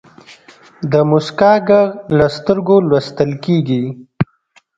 د موسکا ږغ له سترګو لوستل کېږي.